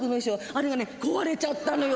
あれがね壊れちゃったのよ。